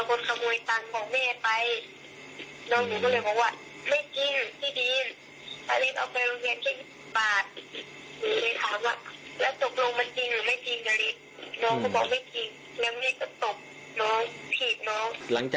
ครับ